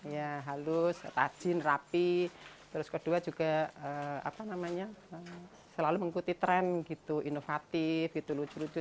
ya halus rajin rapi terus kedua juga apa namanya selalu mengikuti tren gitu inovatif gitu lucu lucu